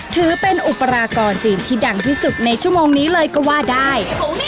ถือเป็นอุปรากรจีนที่ดังที่สุดในชั่วโมงนี้เลยก็ว่าได้